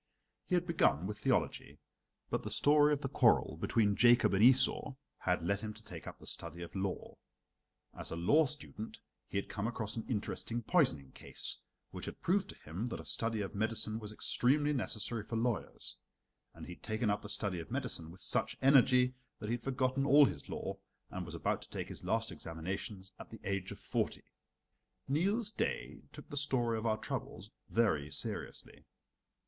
He had begun with theology; but the story of the quarrel between Jacob and Esau had led him to take up the study of law. As a law student he had come across an interesting poisoning case, which had proved to him that a study of medicine was extremely necessary for lawyers; and he had taken up the study of medicine with such energy that he had forgotten all his law and was about to take his last examinations at the age of forty. Niels Daae took the story of our troubles very seriously.